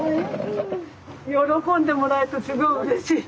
喜んでもらえるとすごいうれしい。